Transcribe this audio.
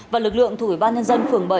và lực lượng thủy ban nhân dân phường bảy